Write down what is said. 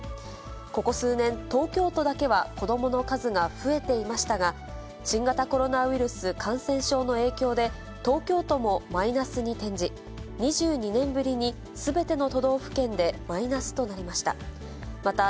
ここ数年、東京都だけは子どもの数が増えていましたが、新型コロナウイルス感染症の影響で、東京都もマイナスに転じ、２２年ぶりにすべての都道府県でマイナスとなりました。